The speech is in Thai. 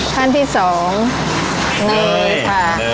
ขั้นที่๒นี่ค่ะ